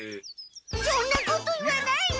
そんなこと言わないで。